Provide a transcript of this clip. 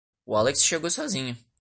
O Alex chegou sozinho.